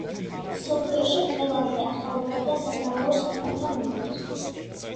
მსოფლიოში ყველაზე ახალგაზრდა საგარეო საქმეთა მინისტრი.